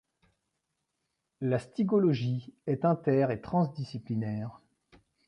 La stygologie est inter et transdisciplinaire.